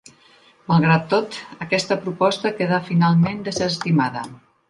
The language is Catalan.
Malgrat tot, aquesta proposta quedà finalment desestimada.